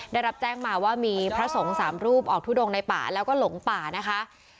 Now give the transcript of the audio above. ได้รับแจ้งมาว่ามีพระสงฆ์สามรูปออกทุดงในป่าแล้วก็หลงป่านะคะ